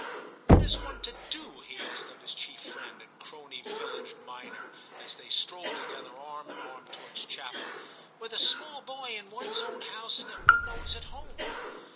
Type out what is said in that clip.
* What is one to do,' he asked of his chief friend and crony Villidge minor, as they strolled together arm in arm towards chapel, 'with a small boy in one's own house that one knows at home